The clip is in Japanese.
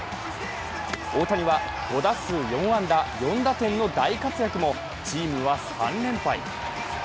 大谷は５打数４安打４打点の大活躍もチームは３連敗。